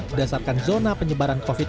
berdasarkan zona penyebaran covid sembilan belas